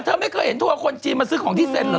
เธอไม่เคยเห็นทัวร์คนจีนมาซื้อของที่เซ็นเหรอ